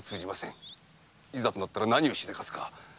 いざとなったら何をしでかすか。